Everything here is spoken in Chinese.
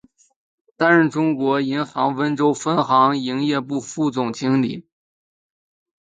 担任中国工商银行温州分行营业部副总经理。